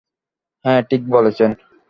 হ্যাঁ, ঠিক বলেছেন।